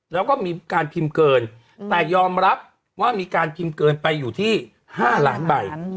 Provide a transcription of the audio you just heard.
แล้วก็มีการพิมพ์เกินแต่ยอมรับว่ามีการพิมพ์เกินไปอยู่ที่๕ล้านใบ